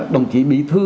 đồng chí bí thư